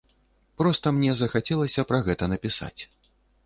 Проста мне захацелася пра гэта напісаць.